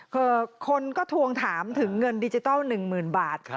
คือคนก็ทวงถามถึงเงินดิจิทัล๑๐๐๐บาท